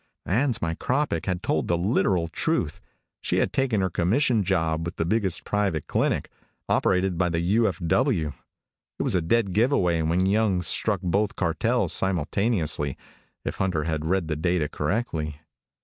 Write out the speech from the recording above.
Ann's micropic had told the literal truth. She had taken her commission job with the biggest private clinic, operated by the U.F.W. It was a dead giveaway when Young struck both cartels simultaneously, if Hunter had read the data correctly.